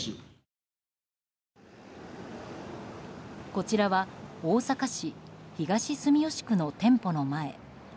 こちらは大阪市東住吉区の店舗の前。